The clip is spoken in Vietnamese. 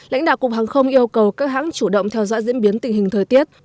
lãnh đạo cục hàng không yêu cầu các hãng chủ động theo dõi diễn biến tình hình thời tiết